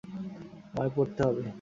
আমায় পড়তে হবে।